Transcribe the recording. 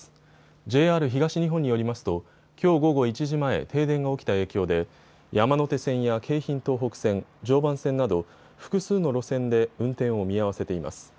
ＪＲ東日本によりますときょう午後１時前、停電が起きた影響で山手線や京浜東北線、常磐線など複数の路線で運転を見合わせています。